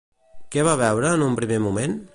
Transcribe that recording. Què va veure en un primer moment?